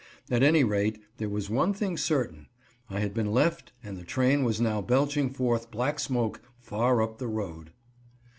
At any rate, there was one thing certain. I had been left and the train was now belching forth black smoke far up the road.